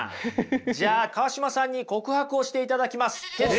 じゃあ川島さんに告白をしていただきます。